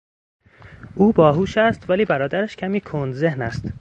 او باهوش است ولی برادرش کمی کند ذهن است.